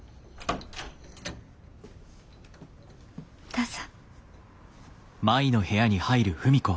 どうぞ。